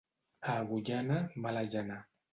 A Agullana, mala llana.